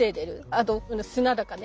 あと砂だかね